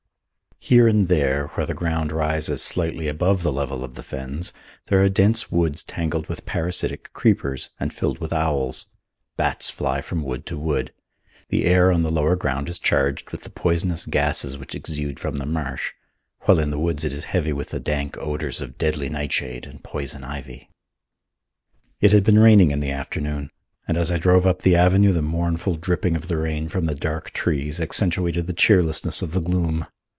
Here and there where the ground rises slightly above the level of the fens there are dense woods tangled with parasitic creepers and filled with owls. Bats fly from wood to wood. The air on the lower ground is charged with the poisonous gases which exude from the marsh, while in the woods it is heavy with the dank odours of deadly nightshade and poison ivy. It had been raining in the afternoon, and as I drove up the avenue the mournful dripping of the rain from the dark trees accentuated the cheerlessness of the gloom.